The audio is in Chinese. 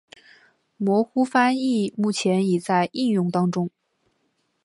模糊翻译目前已在应用当中。